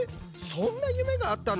そんな夢があったの？